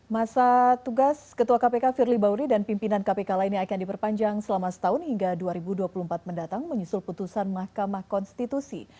masa tugas ketua kpk firly bauri dan pimpinan kpk lainnya akan diperpanjang selama setahun hingga dua ribu dua puluh empat mendatang menyusul putusan mahkamah konstitusi